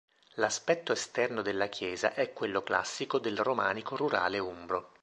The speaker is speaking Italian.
L'aspetto esterno della chiesa è quello classico del romanico rurale umbro.